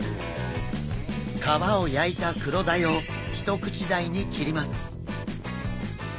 皮を焼いたクロダイをひと口大に切ります。